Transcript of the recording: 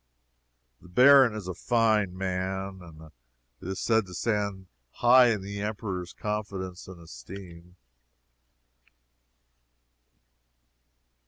The Baron is a fine man, and is said to stand high in the Emperor's confidence and esteem.